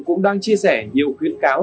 cũng đang chia sẻ nhiều khuyên cáo